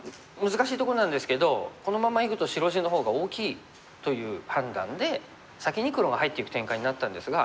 難しいとこなんですけどこのままいくと白地の方が大きいという判断で先に黒が入っていく展開になったんですが。